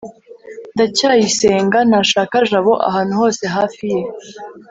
ndacyayisenga ntashaka jabo ahantu hose hafi ye